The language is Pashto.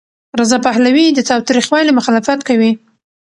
رضا پهلوي د تاوتریخوالي مخالفت کوي.